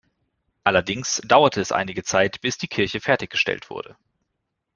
Allerdings dauerte es einige Zeit, bis die Kirche fertiggestellt wurde.